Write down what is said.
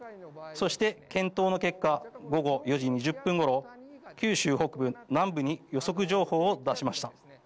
そして検討の結果午後４時２０分ごろ九州北部、南部に予測情報を出しました。